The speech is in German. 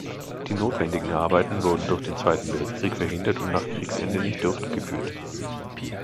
Die notwendigen Arbeiten wurden durch den Zweiten Weltkrieg verhindert und nach Kriegsende nicht durchgeführt.